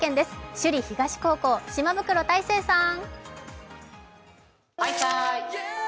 首里東高校、島袋泰成さん！